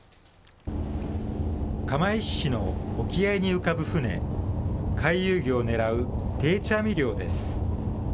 釜石市の沖合に浮かぶ船、回遊魚を狙う定置網漁です。